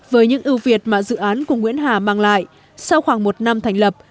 với những ưu việt mà dự án của nguyễn hà mang lại sau khoảng một năm thành lập